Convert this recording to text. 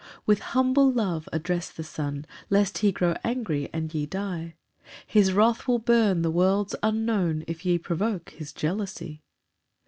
9 With humble love address the Son, Lest he grow angry and ye die; His wrath will burn to worlds unknown If ye provoke his jealousy.